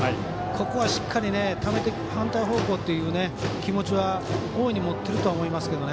ここはしっかりためて反対方向という気持ちは大いに持っているとは思いますが。